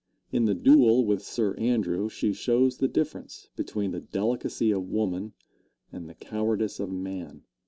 In the duel with Sir Andrew she shows the difference between the delicacy of woman and the cowardice of man.